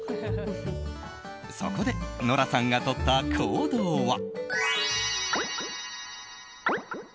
そこでノラさんがとった行動は。